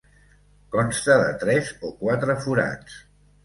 Consta de tres o quatre forats.